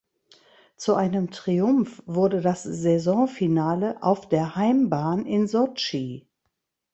Zu einem Triumph wurde das Saisonfinale auf der Heimbahn in Sotschi.